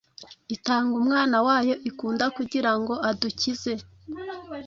itanga Umwana wayo ikunda kugira ngo adukize.